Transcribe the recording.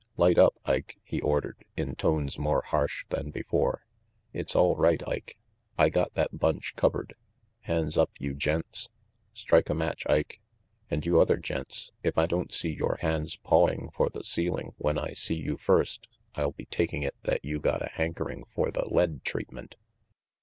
"Light up, Ike," he ordered, in tones more harsh than before. "It's all right, Ike. I got that bunch covered. Hands up, you gents ! Strike a match, Ike. And you other gents, if I don't see yore hands pawing for the ceiling when I see you first, I'll be taking it that you got a hankering for the lead treatment."